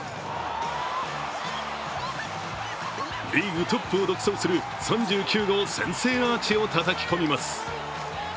リーグトップを独走する３９号先制アーチをたたき込みます。